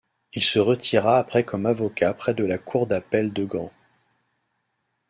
Il se retira après comme avocat près de la Cour d'Appel de Gand.